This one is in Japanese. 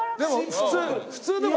普通でも。